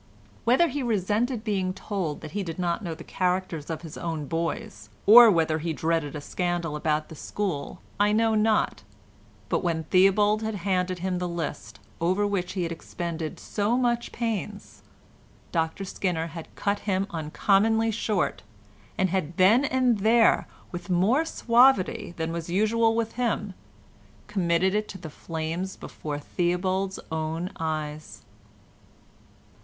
Whether he resented being told that he did not know the characters of his own boys, or whether he dreaded a scandal about the school I know not, but when Theobald had handed him the list, over which he had expended so much pains, Dr Skinner had cut him uncommonly short, and had then and there, with more suavity than was usual with him, committed it to the flames before Theobald's own eyes.